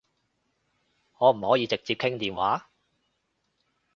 可唔可以直接傾電話？